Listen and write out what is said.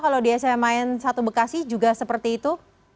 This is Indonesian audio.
kalau di sma n satu bekasi juga seperti itu